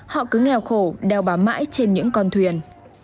họ cứ nghèo khổ đeo bám mãi trên những con thuyền